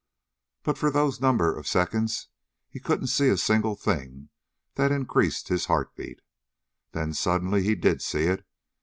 But for those number of seconds he couldn't see a single thing that increased his heart beat. Then, suddenly, he did see it.